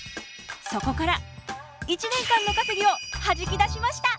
そこから１年間の稼ぎをはじき出しました。